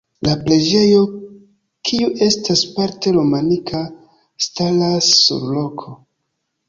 La preĝejo, kiu estas parte romanika, staras sur roko.